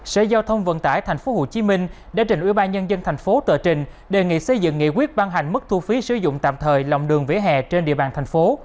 sở giao thông vận tải tp hcm đã trình ubnd tp tờ trình đề nghị xây dựng nghị quyết ban hành mức thu phí sử dụng tạm thời lòng đường vỉa hè trên địa bàn thành phố